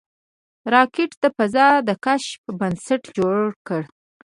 راکټ د فضا د کشف بنسټ جوړ کړ